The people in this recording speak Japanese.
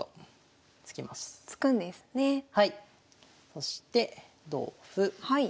そして同歩。